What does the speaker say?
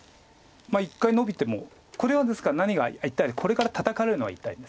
一回ノビてもこれはですから何が痛いってこれからたたかれるのは痛いですよね。